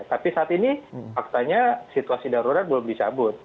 tapi saat ini faktanya situasi darurat belum dicabut